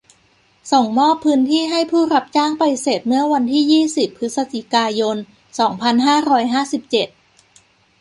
ส่งมอบพื้นที่ให้ผู้รับจ้างไปเสร็จเมื่อวันที่ ยี่สิบ พฤศจิกายน สองพันห้าร้อยห้าสิบเจ็ด